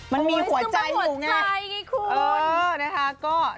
มันมีหัวใจมันมีหัวใจคุณ